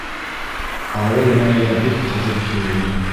Ауыл малайға бик ҡыҙыҡ тойолдо.